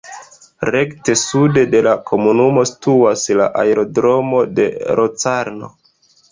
Rekte sude de la komunumo situas la aerodromo de Locarno.